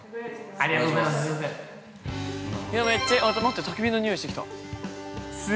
◆ありがとうございます。